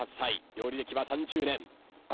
料理歴は３０年。